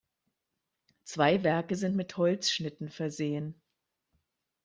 Zwei Werke sind mit Holzschnitten versehen.